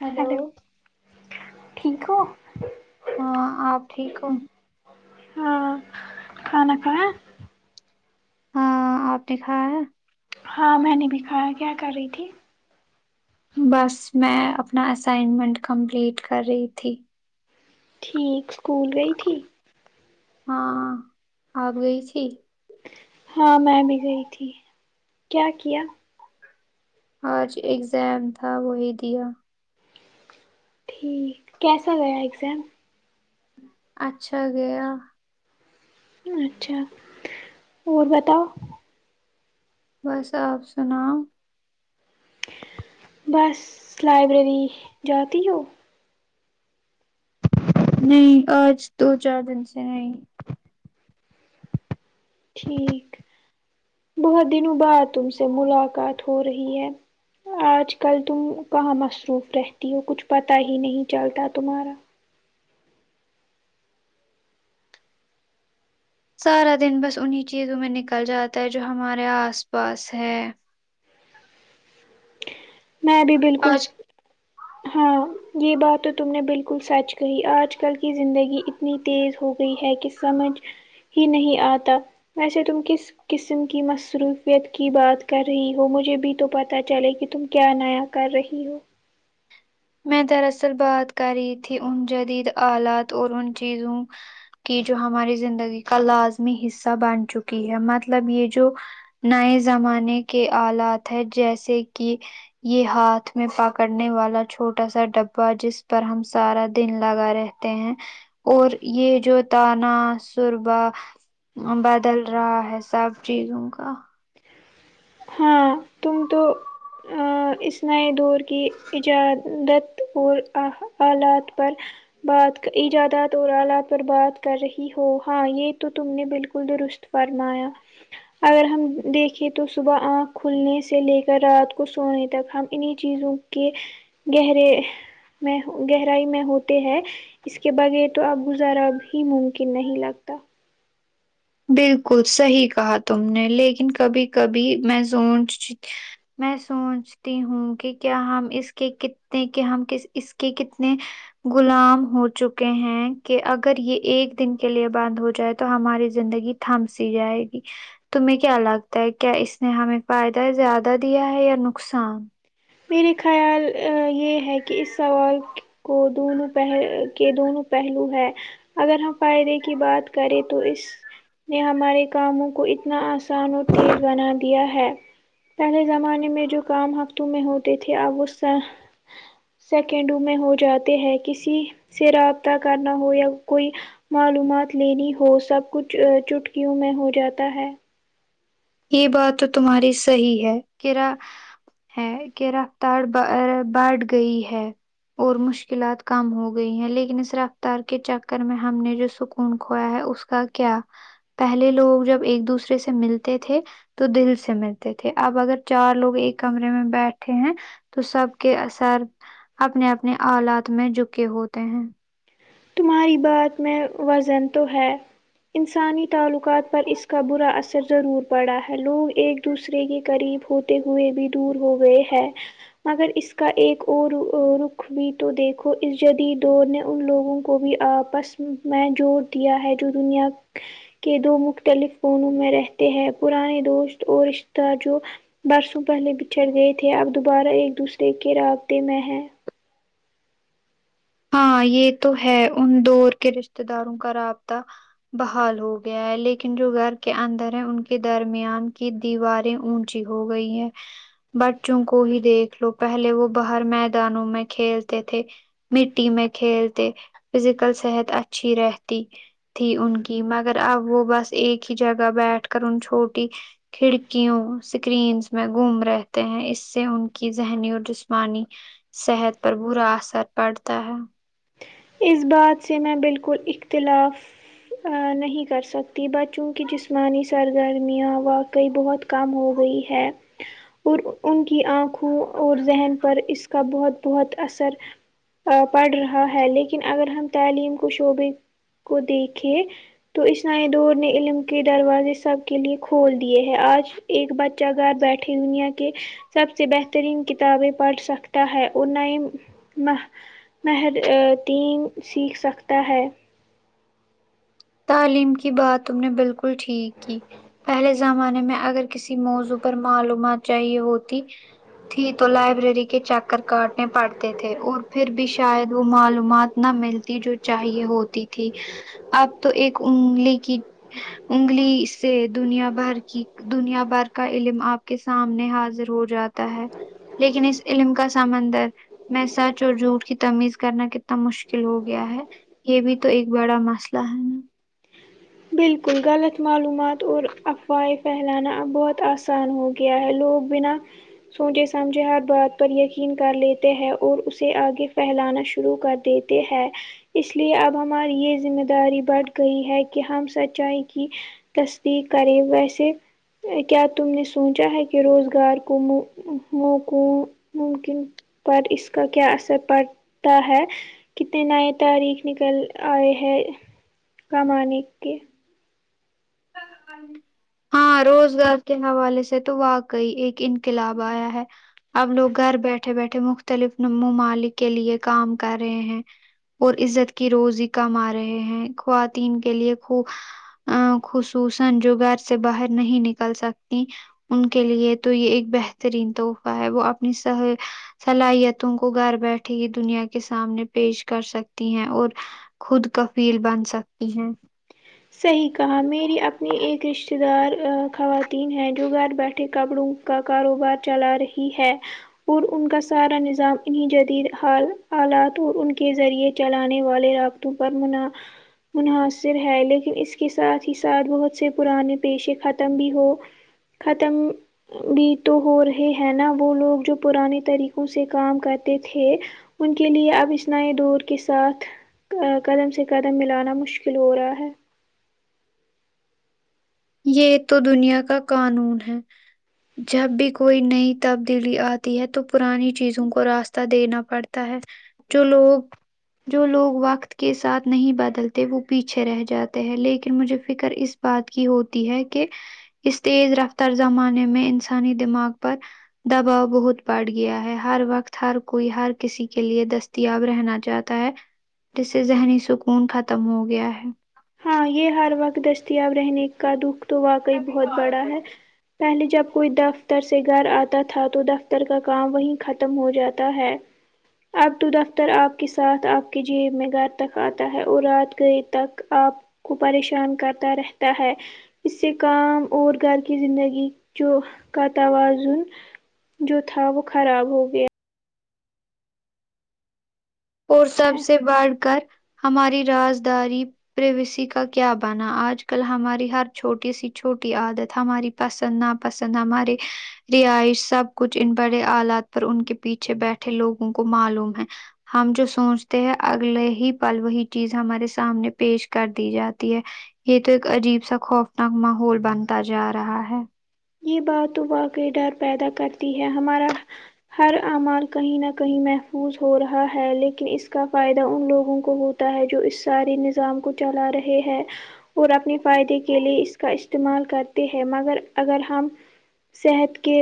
hello hello ٹھیک ہو ہاں آپ ٹھیک ہو ہاں کھانا کھایا ہاں آپ دکھا ہے ہاں میں نے بھی کھایا کیا کر رہی تھی بس میں اپنا اسائنمنٹ کمپلیٹ کر رہی تھی ٹھیک اسکول گئی تھی ہاں آپ گئی تھی ہاں میں بھی گئی تھی کیا کیا آج اگزام تھا وہی دیا ٹھیک کیسا گیا ایگزام اچھا گیا اچھا اور بتاؤ بس آپ سناؤ بس لائبریری جاتی ہو نہیں آج دو چار دن سے نہیں ٹھیک بہت دنوں بعد تم سے ملاقات ہو رہی ہے آج کل تم کہاں مصروف رہتی ہو کچھ پتہ ہی نہیں چلتا تمہارا سارا دن بس انہیں چیزوں میں نکل جاتا ہے جو ہمارے آس پاس ہے میں بھی بالکل آج ہاں یہ بات تو تم نے بالکل سچ کہی آج کل کی زندگی اتنی تیز ہو گئی ہے کہ سمجھ ہی نہیں آتا ویسے تم کس قسم کی مصروفیت کی بات کر رہی ہو مجھے بھی تو پتا چلے کہ تم کیا نیا کر رہی ہو میں دراصل بات کر رہی تھی ان جدید آلات اور ان چیزوں کہ جو ہماری زندگی کا لازمی حصہ بن چکی ہے مطلب یہ جو نئے زمانے کے آلات ہے جیسے کہ یہ ہاتھ میں پکڑنے والا چھوٹا سا ڈبا جس پر ہم سارا دن لگا رہتے ہیں اور یہ جو تانہ سربا بدل رہا ہے سب چیزوں کا ہاں تم تو اس نئے دور کی ایجادت اور آلات پر بات ایجادات اور آلات پر بات کر رہی ہو ہاں یہ تو تم نے بالکل درست فرمایا اگر ہم دیکھیں تو صبح آنکھ کھلنے سے لے کر رات کو سو سونے تک ہم انہی چیزوں کے گہرے میں گہرائی میں ہوتے ہیں اس کے بغیر تو اب گزارا بھی ممکن نہیں لگتا بالکل صحیح کہا تم نے لیکن کبھی کبھی میں سوچ میں سوچ ہوں کہ کیا ہم اس کے کتنے کہ ہم کے اس کے کتنے غلام ہو چکے ہیں کہ اگر یہ ایک دن کے لیے بند ہو جائے تو ہماری زندگی تھم سی جائے گی تمہیں کیا لگتا ہے کیا اس نے ہمیں فائدہ زیادہ دیا ہے یا نقصان میرے خیال یہ ہے کہ اس سوال کو دونوں پہل کے دونوں پہلو ہے اگر ہم فائدے کی بات کریں تو اس نے ہمارے کاموں کو اتنا آسان اور تیز بنا دیا ہے پہلے زمانے میں جو کام ہفتوں میں ہوتے تھے اب وہ سا سیکنڈوں میں ہو جاتے ہیں کسی سے رابطہ کرنا ہو یا کوئی معلومات لینی ہو سب کچھ چٹکیوں میں ہو جاتا ہے یہ بات تو تمہاری صحیح ہے کہیرا ہے کہ رفتار بڑھ گئی ہے اور مشکلات کم ہو گئی ہیں لیکن اس رفتار کے چکر میں ہم نے جو سکون کھویا ہے اس کیا پہلے لوگ جب ایک دوسرے سے ملتے تھے تو دل سے ملتے تھے اب اگر چار لوگ ایک کمرے میں بیٹھے ہیں تو سب کے اثر اپنے اپنے اولد میں جکے ہوتے ہیں تمہاری بات میں وزن تو ہے انسانی تعلقات پر اس کا برا اثر ضرور پڑا ہے لوگ ایک دوسرے کے قریب ہو تے ہوئے بھی دور ہو گئے ہے مگر اس کا ایک اور رخ بھی تو دیکھو اس جدید دور نے ان لوگوں کو بھی آپس میں جوڑ دیا ہے جو دنیا کے دو مختلف فونوں میں رہتے ہیں پرانے دوست اور رشتہ جو برسوں پہلے بچھڑ گئے تھے اب دوبارہ ایک دوسرے کے رابطے میں ہے ہاں یہ تو ہے ان دور کے رشتے داروں کا رابطہ بحال ہو گیا ہے لیکن جو گھر کے اندر ہے ان کے درمیان کی دیواریں اون چھی ہو گئی ہے بچوں کو ہی دیکھ لو پہلے وہ باہر میدانوں میں کھیلتے تھے مٹی میں کھیلتے فزیکل صحت اچھی رہتی تھی ان کی مگر اب وہ بس ایک ہی جگہ بیٹھ کر ان چھوٹی کھڑکیوں سکرینس میں گھوم رہتے ہیں اس سے ان کی ذہنی اور جسمانی صحت پر برا اثر پڑتا ہے اس بات سے میں بالکل اختلاف نہیں کر سکتی بچوں کی جسمانی سرگرمیاں واقعی بہت کم ہو گئی ہے اور ان کی آنکھوں اور ذہن پر اس کا بہت بہت اثر پڑھ رہا ہے لیکن اگر ہم تعلیم کو شعبے کو دیکھیں تو اس نئے دور نے علم کے دروازے سب کے لیے کھول دیے ہے آج ایک بچہ گھر بیٹھے دنیا کے سب سے بہترین کتابیں پڑھ سکتا ہے اور نئی نہ مهد دین سیکھ سکتا ہے تعلیم کی بات تم نے بالکل ٹھیک کی پہلے زمانے میں اگر کسی موضوع پر معلومات چاہیے ہوتی تھی تو لائبریری کے چکر کاٹنے پڑتے تھے اور پھر بھی شاید وہ معلومات نہ ملتی جو چاہیے ہوتی تھی اب تو ایک انگلی کی انگلی سے دنیا بھر کی دنیا بھر کا علم آپ کے سامنے حاضر ہو جاتا ہے لیکن اس علم کا سمندر میں سچ اور جھوٹ کی تمیز کرنا کتنا مشکل ہو گیا ہے یہ بھی تو ایک بڑا مسلہ ہے نا بالکل غلط معلومات اور افواہیں پھیلانا اب بہت آسان ہو کیا ہے لوگ بنا سوچے سمجھے ہر بات پر یقین کر لیتے ہیں اور اسے آگے پھیلانا شروع کر دیتے ہے اس لیے اب ہماری یہ ذمہ داری بڑھ گئی ہے کہ کہ ہم سچائی کی تصدیق کریں ویسے کیا تم نے سونچا ہے کہ روزگار کو مو موقوں ممکن پر اس کا کیا اثر پڑتا ہے کتنے نئے طریق نکل آئے ہے کمانے کے ہاں روزگار کے حوالے سے تو واقعی ایک انقلاب آیا ہے اب لوگ گھر بیٹھے بیٹھے مختلف ممالک کے لیے کام کر رہے ہیں اور عزت کی روزی کما رہے ہیں خواتین کے لیے خو ا خصوصا جو گھر سے باہر نہیں نکل سکتی ان کے لیے تو یہ ایک بہترین تحفہ ہے وہ اپنی صلاحیتوں کو گھر بیٹھے ہی دنیا کے سامنے پیش کر سکتی ہیں اور خود کفیل بن سکتی ہیں صحیح کہا میری اممی ایک رشتہ دار خواتین ہیں جو گھر بیٹھے کپڑوں کا کاروبار چلا رہی ہے اور ان کا سارا نظام انہیں جدید حال حالات اور ان کے ذریعے چلانے والے رابط پر منحصر ہے لیکن اس کے ساتھ ہی ساتھ بہت سے پرانے پیشے ختم بھی ہو ختم بھی تو ہو رہے ہیں نا وہ لوگ جو پرانے طریقوں سے کام کرتے تھے ان کے لیے اب اس نئے دور کے ساتھ قدم سے قدم ملانا مشکل ہو رہا ہے یہ تو دنیا کا قانون ہے جب بھی کوئی نئی تبدیلی آتی ہے تو پرانی چیزوں کو راستہ دینا پڑتا ہے چلو جو لوگ وقت کے ساتھ نہیں بدلتے وہ پیچھے رہ جاتے ہیں لیکن مجھے فکر اس بات کی ہوتی ہے کہ اس تیز رفتار زمانے میں انسانی دماغ پر دباؤ بہت بڑھ گیا ہے ہر وقت ہر کوئی ہر کسی کے لیے دست دستیاب رہنا چاہتا ہے جس سے ذہنی سکون ختم ہو گیا ہے ہاں یہ ہر وقت دستیاب رہنے کا دکھ تو واقعی بہت بڑا ہے پہلے جب کوئی دفتر سے گھر آتا تھا تو دفتر کا کام وہیں ختم ہو جاتا ہے اب تو دفتر آپ کے ساتھ آپ کے جیب میں گھر تک آتا ہے اور رات گئے تک آپ کو پریشان کرتا رہتا ہے اس سے کام اور گھر کی زندگی جو کا توازن جو تھا وہ خراب ہو گیا اور سب سے بڑھ کر ہماری رجداری پریویسی کا کیا بناا آج کل ہماری ہر چھوٹی سی چھوٹی عادت ہماری پسند نا پسند ہمارے رہائش سب کچھ ان بڑے آلات پر ان کے پیچھے بیٹھے لوگوں کو معلوم ہے ہم جو سوچتے ہیں اگلے ہی پل وہی چیز ہمارے سامنے پیش کر دی جاتی ہے یہ تو ایک عجیب سا خوفناک ماحول بنتا جا رہا ہے یہ بات تو واقعی ڈر پیدا کرتی ہے ہمارا ہر اعمال کہیں نہ کہیں محفوظ ہو رہا ہے لیکن اس کا فائدہ ان لوگوں کو ہو ہے جو اس سارے نظام کو چلا رہے ہے اور اپنے فائدے کے لیے اس کا استعمال کرتے ہیں مگر اگر ہم صحت کے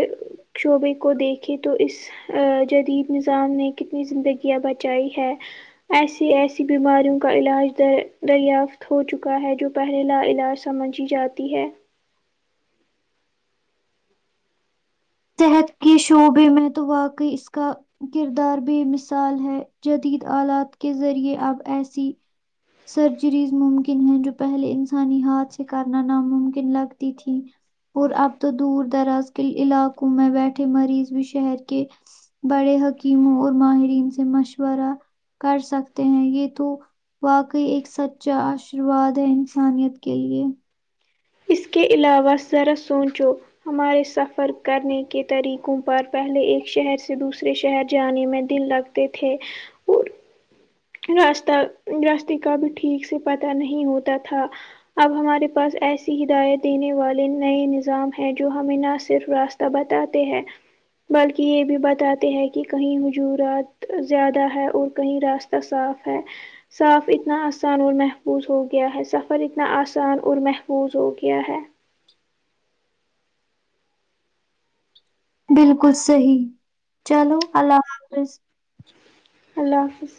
شعبے کو دیکھے تو اس ا جدید نظام نے کتنی زندگیاں بچائی ہے ایسی ایسی بیماریوں کا علاج در دریافت ہو چکا ہے جو پہلے لا علاج سمجھی جاتی ہے صحت کے شعبے میں تو واقعی اس کا کردار بے مثال ہے جدید آلات کے ذریعے اب ایسی سرجریز ممکن ہے جو پہلے انسانی ہاتھ سے کرنا ناممکن لگتی تھی اور اب تو دور دراز کے علاقوں میں بیٹھے مریض بھی شہر کے بڑے حکیموں اور ماہرین سے مشورہ کر سکتے ہیں یہ تو واقعی ایک سچا آشرواد ہے انسانیت کے لیے اس کے علاوہ ذرا سوچو ہمارے سفر کرنے کے طریقوں پر پہلے ایک شہر سے دوسرے شہر جانے میں دل لگتا تھے اور راستہ راستے کا بھی ٹھیک سے پتاہ نہیں ہوتا تھا اب ہمارے پاس ایسی ہدایت دینے والے نئے نظام ہیں جو ہمیں نہ صرف راستے تو بتاتے ہیں بلکہ یہ بھی بتاتے ہیں کہ کہیں حجورات زیادہ ہے اور کہیں راستتے کا صاف ہے صاف اتنا آسان اور محفوظ ہو گیا ہے سفر اتنا آسان اور محفوظ ہو گیا ہے بالکل صحیح چلو اللہ حافظ اللہ حافظ